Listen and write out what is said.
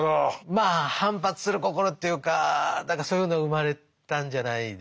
まあ反発する心というか何かそういうのが生まれたんじゃないでしょうかね。